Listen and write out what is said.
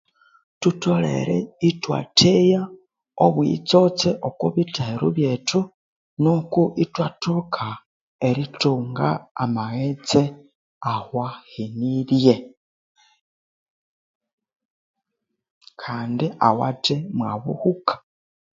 Thutholere ithwatheya obwiyitsotse oku bithehero byethu nuku ithwathoka erithunga amaghetse awahenirye kandi awathemu buhuka